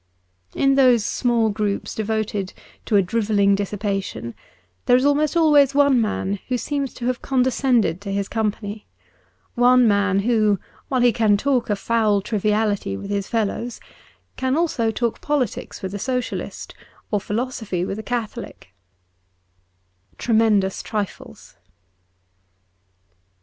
In those small groups devoted to a drivelling dis sipation there is almost always one man who seems to have condescended to his company : one man who, while he can talk a foul triviality with his fellows, can also talk politics with a Socialist, or philosophy with a Catholic, ' Tremendous Trifles.''